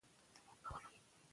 هغه وویل چې پښتو یې مورنۍ ژبه ده.